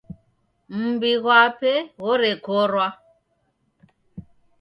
Mumbi ghwape ghorekorwa.